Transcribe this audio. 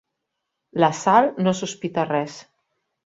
La Sal no sospita res.